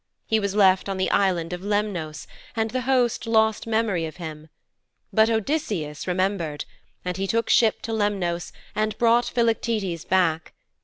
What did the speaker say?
He was left on the Island of Lemnos and the host lost memory of him. But Odysseus remembered, and he took ship to Lemnos and brought Philoctetes back.